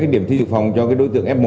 điểm thi dự phòng cho đối tượng f một